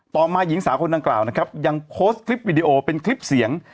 มาหญิงสาวคนดังกล่าวนะครับยังโพสต์คลิปวิดีโอเป็นคลิปเสียง